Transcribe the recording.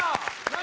何？